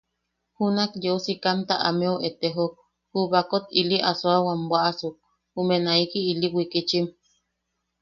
Junak yeu sikamta ameu etejok, ju baakot ili asoawam bwaʼasuk, jume naiki ili wikitchim.